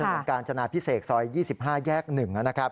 เหล่าสนุนการจนาพิเศษซอย๒๕แยก๑นะครับ